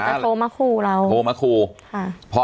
อาจจะโทรมาคู่เราโทรมาคู่ค่ะ